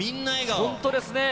本当ですね。